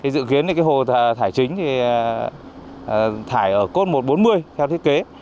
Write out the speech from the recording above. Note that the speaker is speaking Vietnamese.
dự kiến hồ thải chính thải ở cốt một trăm bốn mươi theo thiết kế